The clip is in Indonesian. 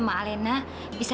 ma mia tidak pada